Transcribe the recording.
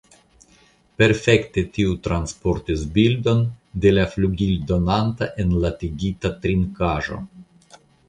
Perfekte tio transportis bildon de la 'flugildonanta' enlatigita trinkaĵo.